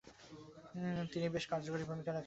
তিনি বেশ কার্যকরী ভূমিকা রাখেন।